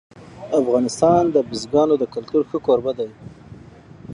افغانستان د بزګانو د کلتور ښه کوربه دی.